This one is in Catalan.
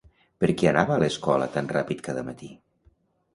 Per què anava a l'escola tan ràpid cada matí?